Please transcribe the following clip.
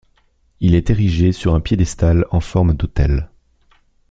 Il est érigé sur un piédestal en forme d'autel.